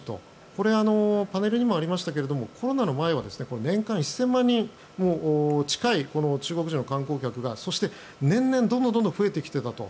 これ、パネルにもありましたがコロナの前は年間１０００万人近い中国人の観光客がそして、年々どんどん増えてきていたと。